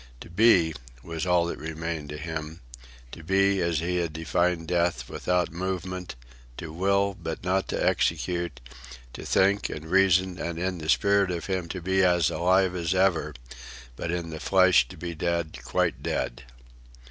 "To be" was all that remained to him—to be, as he had defined death, without movement; to will, but not to execute; to think and reason and in the spirit of him to be as alive as ever, but in the flesh to be dead, quite dead.